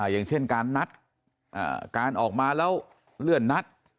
อย่างเช่นการนัดการออกมาแล้วเลื่อนนัด